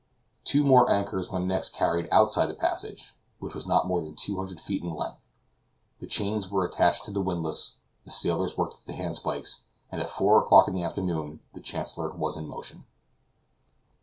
Two more anchors were next carried outside the passage, which was not more than two hundred feet in length. The chains were attached to the windlass, the sailors worked at the hand spikes, and at four o'clock in the afternoon the Chancellor was in motion.